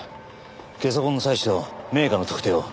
ゲソ痕の採取とメーカーの特定を。